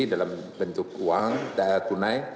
dalam bentuk uang tunai